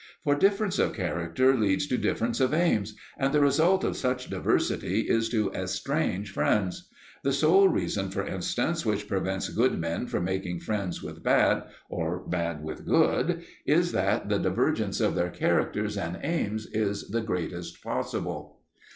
For difference of character leads to difference of aims, and the result of such diversity is to estrange friends. The sole reason, for instance, which prevents good men from making friends with bad, or bad with good, is that the divergence of their characters and aims is the greatest possible.